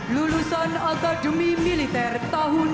lulusan akademi militer tahun dua ribu